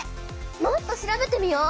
もっと調べてみよう！